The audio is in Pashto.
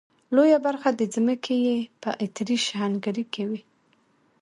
لويه برخه ځمکې یې په اتریش هنګري کې وې.